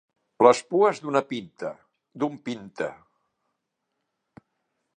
Les pues d'una pinta, d'un pinte.